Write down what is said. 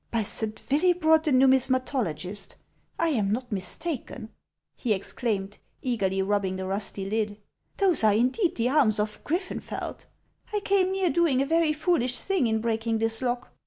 " By Saint Willibrod the Numismatologist, I am not mistaken," he exclaimed, eagerly rubbing the rusty lid ; "those are indeed the arms of Griffenfeld. I came near doing a very foolish thing in breaking this lock.